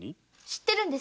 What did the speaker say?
知ってるの？